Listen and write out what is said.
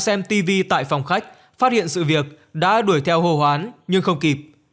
xem tv tại phòng khách phát hiện sự việc đã đuổi theo hồ hoán nhưng không kịp